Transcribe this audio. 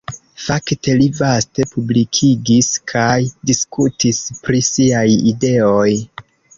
Fakte li vaste publikigis kaj diskutis pri siaj ideoj.